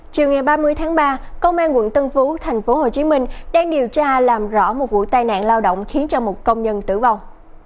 chiều ngày ba mươi tháng ba công an quận tân phú thành phố hồ chí minh đang điều tra làm rõ một vụ tai nạn lao động khiến một công nhân tử vong